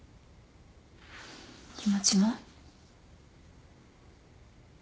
気持ちも？